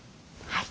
はい。